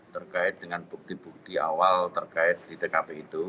terkait dengan bukti bukti awal terkait di tkp itu